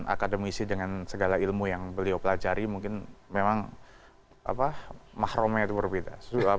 akademisi dengan segala ilmu yang beliau pelajari mungkin memang mahrumnya itu berbeda